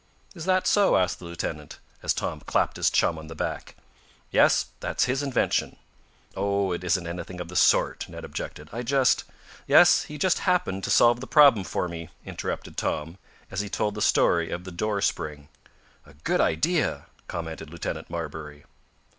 "Is that so?" asked the lieutenant, as Tom clapped his chum on the back. "Yes, that's his invention." "Oh, it isn't anything of the sort," Ned objected. "I just " "Yes, he just happened to solve the problem for me!" interrupted Tom, as he told the story of the door spring. "A good idea!" commented Lieutenant Marbury.